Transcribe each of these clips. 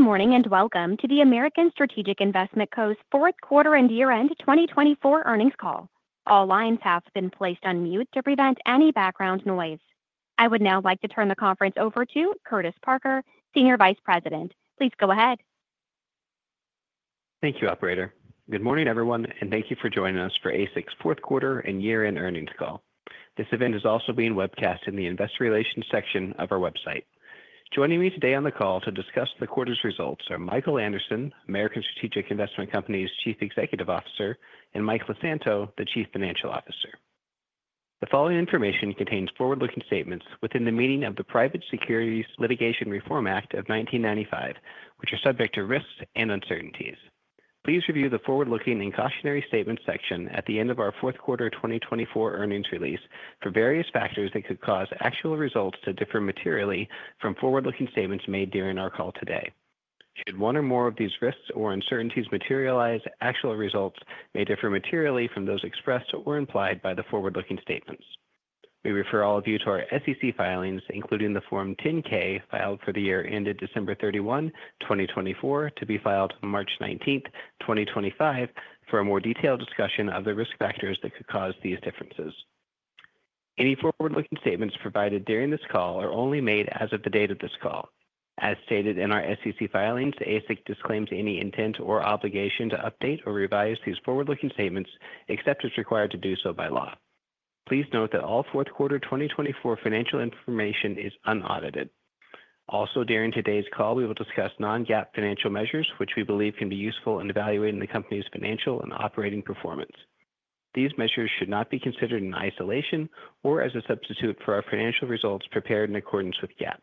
Good morning and welcome to the American Strategic Investment Co.'s fourth quarter and year-end 2024 earnings call. All lines have been placed on mute to prevent any background noise. I would now like to turn the conference over to Curtis Parker, Senior Vice President. Please go ahead. Thank you, Operator. Good morning, everyone, and thank you for joining us for ASIC's fourth quarter and year-end earnings call. This event is also being webcast in the Investor Relations section of our website. Joining me today on the call to discuss the quarter's results are Michael Anderson, American Strategic Investment Company's Chief Executive Officer, and Mike LeSanto, the Chief Financial Officer. The following information contains forward-looking statements within the meaning of the Private Securities Litigation Reform Act of 1995, which are subject to risks and uncertainties. Please review the forward-looking and cautionary statements section at the end of our fourth quarter 2024 earnings release for various factors that could cause actual results to differ materially from forward-looking statements made during our call today. Should one or more of these risks or uncertainties materialize, actual results may differ materially from those expressed or implied by the forward-looking statements. We refer all of you to our SEC filings, including the Form 10-K filed for the year ended December 31, 2024, to be filed March 19, 2025, for a more detailed discussion of the risk factors that could cause these differences. Any forward-looking statements provided during this call are only made as of the date of this call. As stated in our SEC filings, American Strategic Investment Co. disclaims any intent or obligation to update or revise these forward-looking statements except as required to do so by law. Please note that all fourth quarter 2024 financial information is unaudited. Also, during today's call, we will discuss non-GAAP financial measures, which we believe can be useful in evaluating the company's financial and operating performance. These measures should not be considered in isolation or as a substitute for our financial results prepared in accordance with GAAP.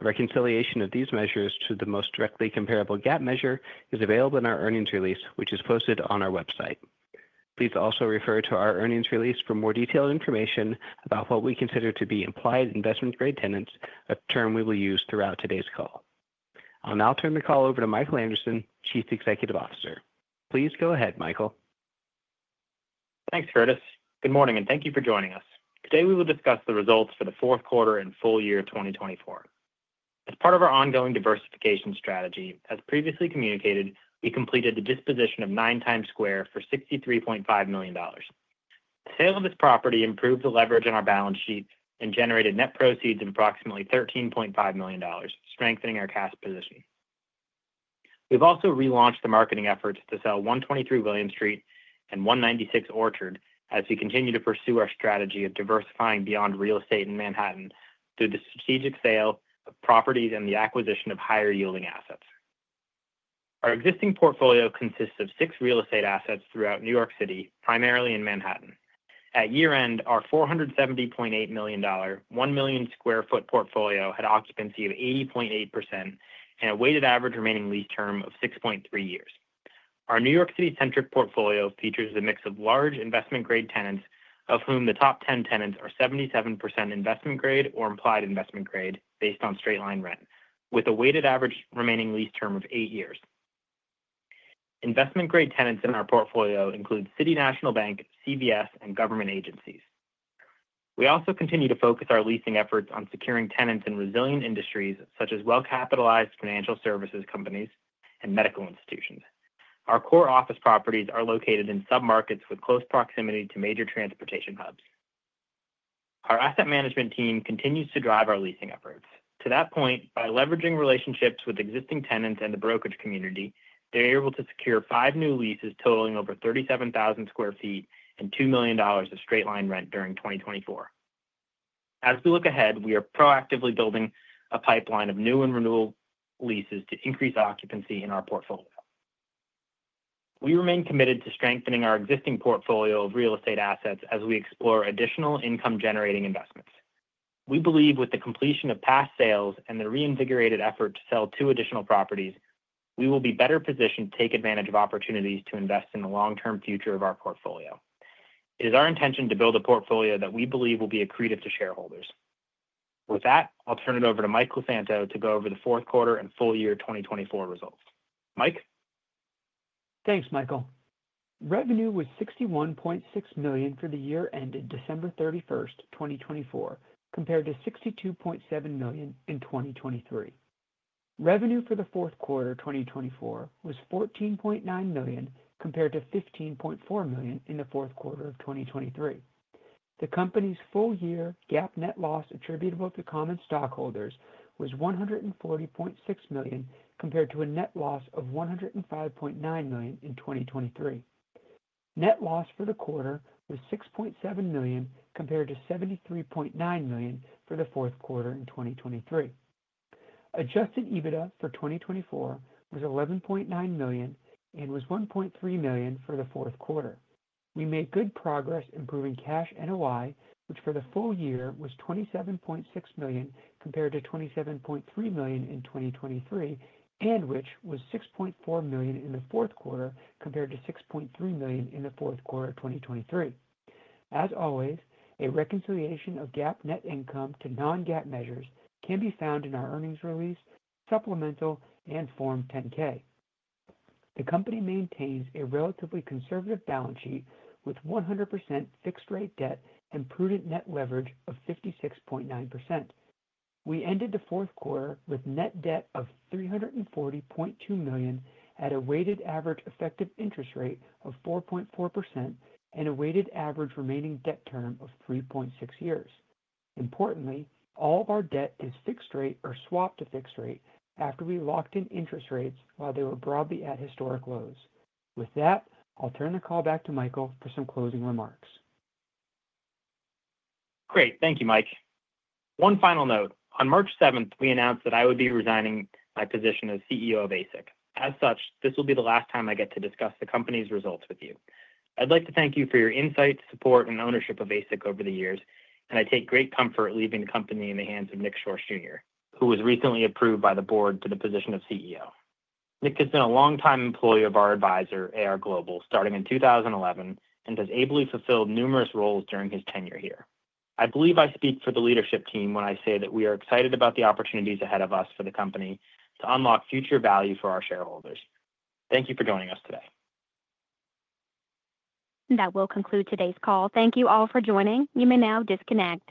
A reconciliation of these measures to the most directly comparable GAAP measure is available in our earnings release, which is posted on our website. Please also refer to our earnings release for more detailed information about what we consider to be implied investment-grade tenants, a term we will use throughout today's call. I'll now turn the call over to Michael Anderson, Chief Executive Officer. Please go ahead, Michael. Thanks, Curtis. Good morning and thank you for joining us. Today we will discuss the results for the fourth quarter and full year 2024. As part of our ongoing diversification strategy, as previously communicated, we completed the disposition of Nine Times Square for $63.5 million. The sale of this property improved the leverage on our balance sheet and generated net proceeds of approximately $13.5 million, strengthening our cash position. We've also relaunched the marketing efforts to sell 123 William Street and 196 Orchard as we continue to pursue our strategy of diversifying beyond real estate in Manhattan through the strategic sale of properties and the acquisition of higher-yielding assets. Our existing portfolio consists of six real estate assets throughout New York City, primarily in Manhattan. At year-end, our $470.8 million, one million sq ft portfolio had occupancy of 80.8% and a weighted average remaining lease term of 6.3 years. Our New York City-centric portfolio features a mix of large investment-grade tenants, of whom the top 10 tenants are 77% investment-grade or implied investment-grade based on straight-line rent, with a weighted average remaining lease term of eight years. Investment-grade tenants in our portfolio include City National Bank, CVS, and government agencies. We also continue to focus our leasing efforts on securing tenants in resilient industries such as well-capitalized financial services companies and medical institutions. Our core office properties are located in sub-markets with close proximity to major transportation hubs. Our asset management team continues to drive our leasing efforts. To that point, by leveraging relationships with existing tenants and the brokerage community, they're able to secure five new leases totaling over 37,000 sq ft and $2 million of straight-line rent during 2024. As we look ahead, we are proactively building a pipeline of new and renewal leases to increase occupancy in our portfolio. We remain committed to strengthening our existing portfolio of real estate assets as we explore additional income-generating investments. We believe with the completion of past sales and the reinvigorated effort to sell two additional properties, we will be better positioned to take advantage of opportunities to invest in the long-term future of our portfolio. It is our intention to build a portfolio that we believe will be accretive to shareholders. With that, I'll turn it over to Mike LeSanto to go over the fourth quarter and full year 2024 results. Mike. Thanks, Michael. Revenue was $61.6 million for the year ended December 31, 2024, compared to $62.7 million in 2023. Revenue for the fourth quarter 2024 was $14.9 million compared to $15.4 million in the fourth quarter of 2023. The company's full year GAAP net loss attributable to common stockholders was $140.6 million compared to a net loss of $105.9 million in 2023. Net loss for the quarter was $6.7 million compared to $73.9 million for the fourth quarter in 2023. Adjusted EBITDA for 2024 was $11.9 million and was $1.3 million for the fourth quarter. We made good progress improving cash NOI, which for the full year was $27.6 million compared to $27.3 million in 2023, and which was $6.4 million in the fourth quarter compared to $6.3 million in the fourth quarter of 2023. As always, a reconciliation of GAAP net income to non-GAAP measures can be found in our earnings release, supplemental, and Form 10-K. The company maintains a relatively conservative balance sheet with 100% fixed-rate debt and prudent net leverage of 56.9%. We ended the fourth quarter with net debt of $340.2 million at a weighted average effective interest rate of 4.4% and a weighted average remaining debt term of 3.6 years. Importantly, all of our debt is fixed-rate or swapped to fixed-rate after we locked in interest rates while they were broadly at historic lows. With that, I'll turn the call back to Michael for some closing remarks. Great. Thank you, Mike. One final note. On March 7, we announced that I would be resigning my position as CEO of ASIC. As such, this will be the last time I get to discuss the company's results with you. I'd like to thank you for your insight, support, and ownership of ASIC over the years, and I take great comfort leaving the company in the hands of Nick Schorsch, Jr., who was recently approved by the board to the position of CEO. Nick has been a longtime employee of our advisor, AR Global, starting in 2011, and has ably fulfilled numerous roles during his tenure here. I believe I speak for the leadership team when I say that we are excited about the opportunities ahead of us for the company to unlock future value for our shareholders. Thank you for joining us today. That will conclude today's call. Thank you all for joining. You may now disconnect.